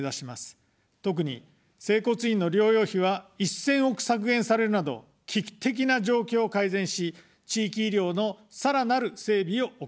特に整骨院の療養費は、１０００億削減されるなど危機的な状況を改善し、地域医療のさらなる整備を行います。